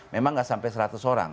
memang nggak sampai seratus orang